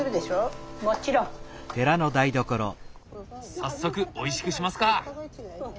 早速おいしくしますか！